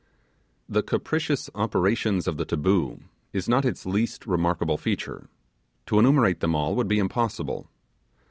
The capricious operations of the taboo are not its least remarkable feature: to enumerate them all would be impossible.